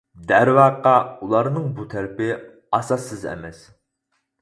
دەرۋەقە ئۇلارنىڭ بۇ تەرىپى ئاساسسىز ئەمەس.